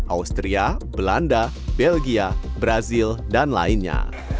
austria belanda belgia brazil dan lainnya